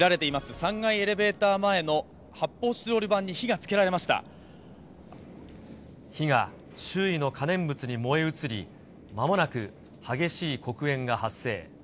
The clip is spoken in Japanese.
３階エレベーター前の発泡スチロール板に火火が周囲の可燃物に燃え移り、まもなく激しい黒煙が発生。